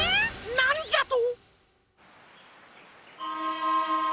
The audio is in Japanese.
なんじゃと！